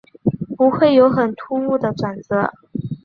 不会有很突兀的转折